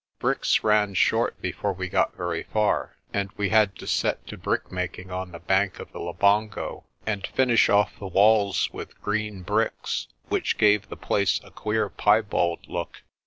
Bricks ran short before we got very far, and we had to set to brickmaking on the bank of the Labongo, and finish off the walls with green bricks, which gave the place a queer piebald look.